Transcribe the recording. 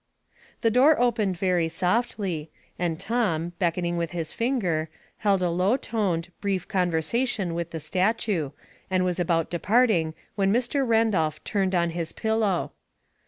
The door opened very softly, and Tom, beck oning with his finger, held a low toned, brief conversation with the statue, and was about departing when Mr. Randolph turned on his pillow.